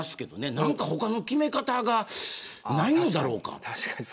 何か他の決め方ないのだろうか。